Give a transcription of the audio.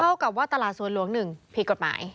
เท่ากับว่าตลาดสัวร์หลวง๑ผิดกฎหมาย